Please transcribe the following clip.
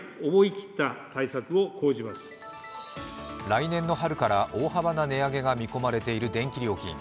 来年の春から大幅な値上げが見込まれている電気料金。